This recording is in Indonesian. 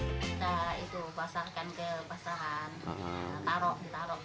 kita itu pasarkan ke pasaran taruh ditaruh